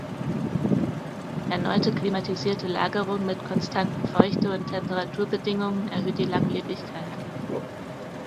Erneute klimatisierte Lagerung mit konstanten Feuchte- und Temperaturbedingungen erhöht die Langlebigkeit.